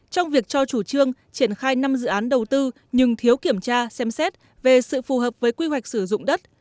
trong việc cho chủ trương triển khai năm dự án đầu tư nhưng thiếu kiểm tra xem xét về sự phù hợp với quy hoạch sử dụng đất